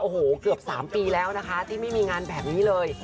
โอ้โหเกือบ๓ปีแล้วนะคะที่ไม่มีงานแบบนี้เลย